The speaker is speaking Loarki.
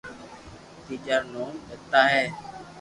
تيجا رو نوم لتا ھي